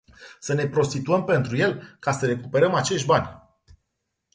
Să ne prostituăm pentru el, ca să recuperăm acești bani.